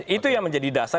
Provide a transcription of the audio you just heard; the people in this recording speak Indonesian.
itu yang menjadi dasar